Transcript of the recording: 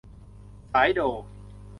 สายโด่